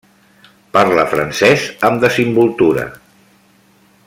Parla francès amb desimboltura.